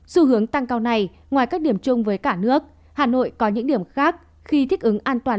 xu hướng tăng cao này ngoài các điểm chung với cả nước hà nội có những điểm khác khi thích ứng an toàn